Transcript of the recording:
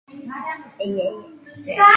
მამა კვიპროსელი ბერძენი და დედა ბულგარელი.